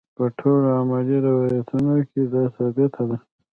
په ټولو علمي روایتونو کې دا ثابته ده.